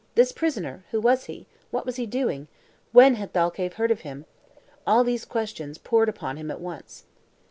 "This prisoner, who was he? What was he doing? When had Thalcave heard of him?" All these questions poured upon him at once.